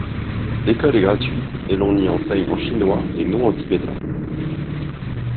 L’école est gratuite et l’on y enseigne en chinois et non en tibétain.